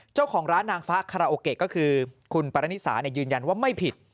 เจ้าของร้านนางฟ้าคาราโอเกะก็คือคุณปรณิสายืนยันว่าไม่ผิด